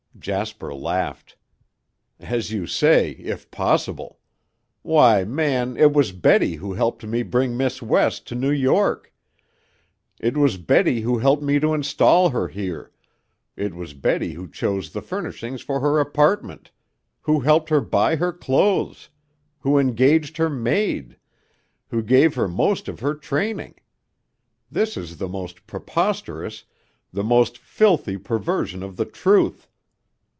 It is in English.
Jasper laughed. "As you say if possible. Why, man, it was Betty who helped me bring Miss West to New York, it was Betty who helped me to install her here, it was Betty who chose the furnishings for her apartment, who helped her buy her clothes, who engaged her maid, who gave her most of her training. This is the most preposterous, the most filthy perversion of the truth.